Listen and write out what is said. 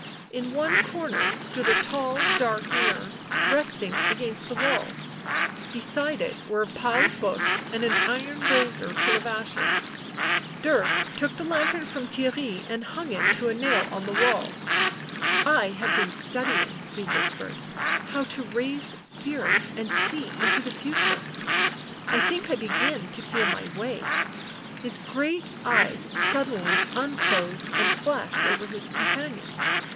In one corner stood a tall dark mirror, resting against the wall ; beside it were a pile of books and an iron brazier full of ashes. Dirk took the lantern from Theirry and hung it to a nail on the wall. " I have been studying," he whis pered, " how to raise spirits and see into the future — I think I begin to feel my way his great eyes sud denly unclosed and flashed over his companion.